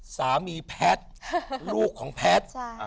แพทย์ลูกของแพทย์